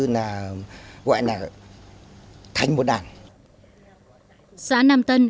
là gọi là thành một đàn xã nam tân